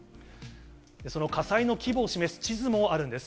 その火災の規模を示す地図もあるんです。